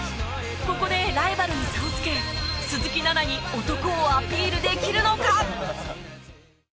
ここでライバルに差をつけ鈴木奈々に男をアピールできるのか？